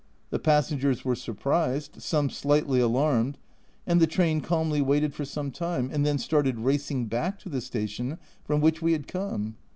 The passengers were surprised, some slightly alarmed, and the train calmly waited for some time and then started racing back to the station from which we had come.